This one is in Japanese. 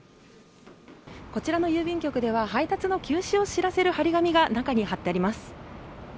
こちらの郵便局では配達の休止を知らせる貼り紙が中に貼ってあります